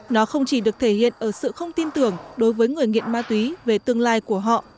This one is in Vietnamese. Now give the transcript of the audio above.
nó không chỉ được thể hiện ở sự không tin tưởng đối với người nghiện ma túy về tương lai của họ